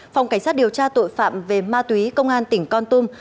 phòng cảnh sát điều tra tội phạm về ma túy công an tỉnh con tum